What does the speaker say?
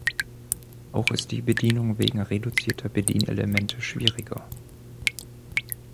Auch ist die Bedienung wegen reduzierter Bedienelemente schwieriger.